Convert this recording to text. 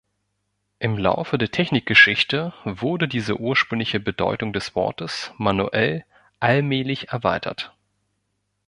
Im Laufe der Technikgeschichte wurde diese ursprüngliche Bedeutung des Wortes "manuell" allmählich erweitert.